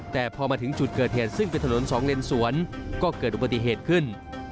แต่พอมาถึงจุดเกิดเหตุซึ่งเป็นถนนสองเลนสวนก็เกิดอุบัติเหตุขึ้น